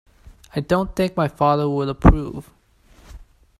I don’t think my father would approve